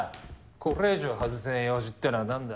これ以上外せねぇ用事ってのはなんだ？